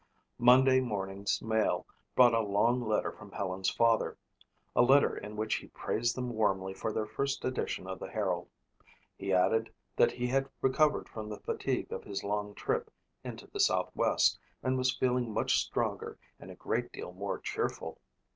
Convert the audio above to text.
Monday morning's mail brought a long letter from Helen's father, a letter in which he praised them warmly for their first edition of the Herald. He added that he had recovered from the fatigue of his long trip into the southwest and was feeling much stronger and a great deal more cheerful.